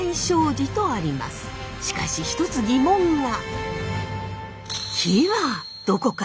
しかし一つ疑問が。